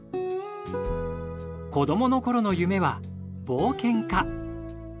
子どものころの夢は冒険家。